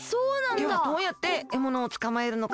ではどうやってえものをつかまえるのか？